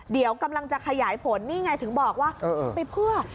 เดี๋ยวกำลังจะขยายผลนี่ไงถึงบอกว่าไปเพื่อ